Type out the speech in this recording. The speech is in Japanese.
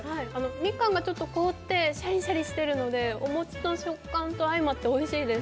みかんがちょっと凍ってしゃりしゃりしてるので、お餅の食感と相まっておいしいです。